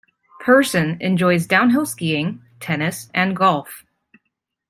Persson enjoys downhill skiing, tennis and golf.